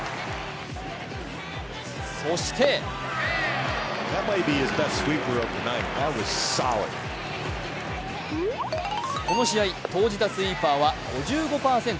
そしてこの試合、投じたスイーパーは５５％。